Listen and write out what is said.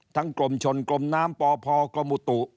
ทั้งกลมชนกลมน้ำปพกมต